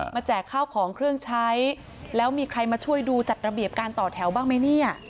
แจกข้าวของเครื่องใช้แล้วมีใครมาช่วยดูจัดระเบียบการต่อแถวบ้างไหมเนี่ย